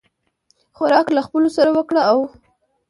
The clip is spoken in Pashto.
خوراک له خپلو سره وکړه او